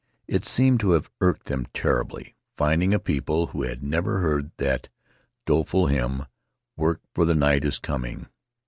It seems to have irked them terribly, finding a people who had never heard that doleful hymn, "Work, for the Night Is Coming."